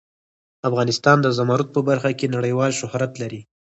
افغانستان د زمرد په برخه کې نړیوال شهرت لري.